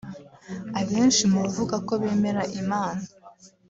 Abenshi mu bavuga ko bemera Imana